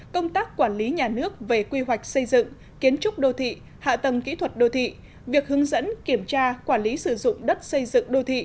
công tác quản lý nhà nước về quy hoạch xây dựng kiến trúc đô thị hạ tầng kỹ thuật đô thị việc hướng dẫn kiểm tra quản lý sử dụng đất xây dựng đô thị